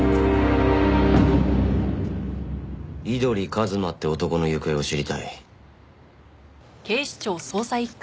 井鳥一馬って男の行方を知りたい。